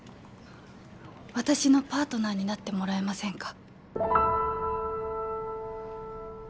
私のパートナーになってもらえませんか？